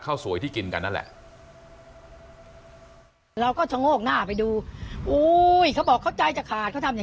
ข้าวสวยที่กินกันนั่นแหละ